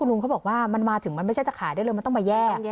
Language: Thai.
ลุงเขาบอกว่ามันมาถึงมันไม่ใช่จะขายได้เลยมันต้องมาแยก